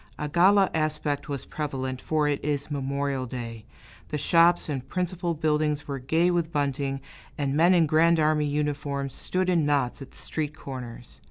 A gala aspect was prevalent, for it is Memorial Day; the shops and principal buildings were gay with bunting, and men in Grand Army uniforms stood in knots at the street corners.